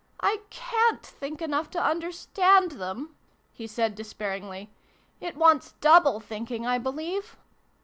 " I cant think enough to understand them!" he said despairingly. " It wants double thinking, I believe